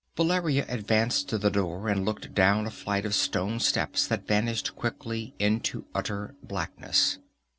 Valeria advanced to the door and looked down a flight of stone steps that vanished quickly into utter blackness.